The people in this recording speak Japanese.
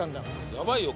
やばいよ。